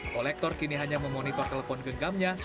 kolektor kini hanya memonitor telepon genggamnya